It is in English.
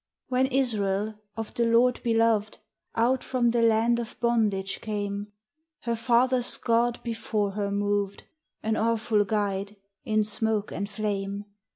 When Israel, of the Lord beloved, Out from the land of bondage came, Her fathers' God before her moved, An awful guide, in smoke and flame.